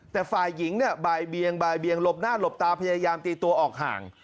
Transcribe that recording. แต่ฝ่ายหญิงบายเบียงหลบหน้าหลบตาพยายามตีตัวออกห่าง